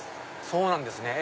そうなんですね。